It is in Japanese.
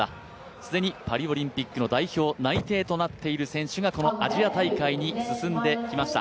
既にパリオリンピックの代表内定となっている選手がアジア大会に進んできました。